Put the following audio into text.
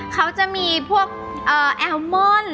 เขาจะมีพวกแอลมอน